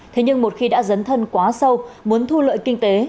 thế nhưng một khi đã dấn thân quá sâu muốn thu lợi kinh tế